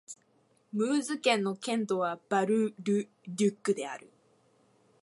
ムーズ県の県都はバル＝ル＝デュックである